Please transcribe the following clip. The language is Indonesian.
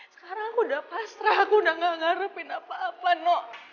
sekarang udah pasrah aku udah gak ngarepin apa apa nok